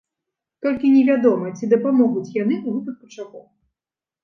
Толькі невядома, ці дапамогуць яны ў выпадку чаго.